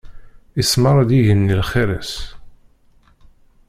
Ismar-d yigenni lxir-is.